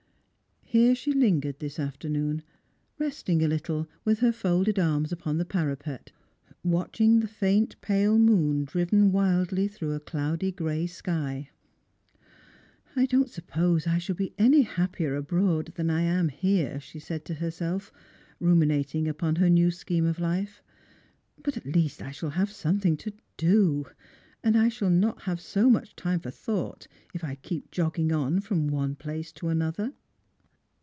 Here she lingered this afternoon, resting a little, with her folded arms upon the parapet, watching the faint pale moon driven wildly through a cloudy gray sky. " I don't suppose I shall be any happier abroad than I am here," she said to herself, ruminating upon her new scheme of life ;" but I shall at least have something to do, and I shall not have so much time for thought if I keep jogging on from one place to another."